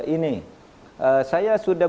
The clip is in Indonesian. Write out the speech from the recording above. ini saya sudah